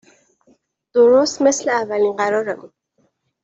درست مثل اولین قرارمون